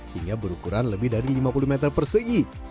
hingga berukuran lebih dari lima puluh meter persegi